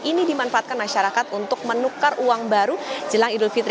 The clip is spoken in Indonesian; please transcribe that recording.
ini dimanfaatkan masyarakat untuk menukar uang baru jelang idul fitri